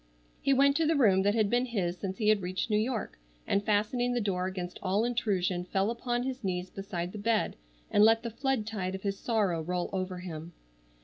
He went to the room that had been his since he had reached New York, and fastening the door against all intrusion fell upon his knees beside the bed, and let the flood tide of his sorrow roll over him.